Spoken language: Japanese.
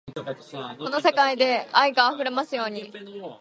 この世界が愛で溢れますように